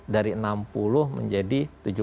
dari enam puluh menjadi tujuh puluh